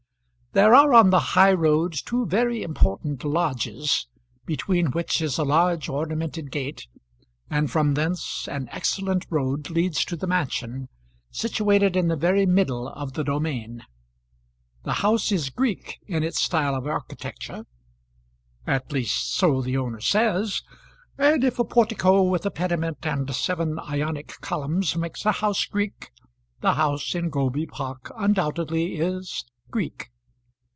There are on the high road two very important lodges, between which is a large ornamented gate, and from thence an excellent road leads to the mansion, situated in the very middle of the domain. The house is Greek in its style of architecture, at least so the owner says; and if a portico with a pediment and seven Ionic columns makes a house Greek, the house in Groby Park undoubtedly is Greek.